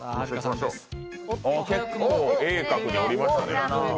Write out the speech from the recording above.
おお、結構鋭角に折りましたね。